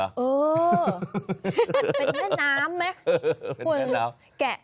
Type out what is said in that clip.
เป็นแม่น้ำมะคุณกลุ่มแม่น้ำ